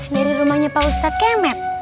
dari rumahnya pak ustadz kemeb